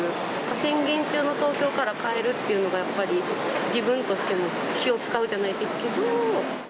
宣言中の東京から帰るというのが、やっぱり自分としても、気を遣うじゃないですけど。